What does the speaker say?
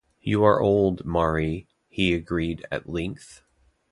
"You are old, Maury," he agreed at length.